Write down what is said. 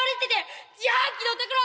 自販機のところ！